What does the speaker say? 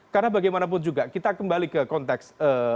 karena bagaimanapun juga kita kembali ke konteks